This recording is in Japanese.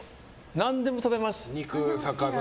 何でも食べます。